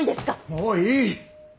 もういい。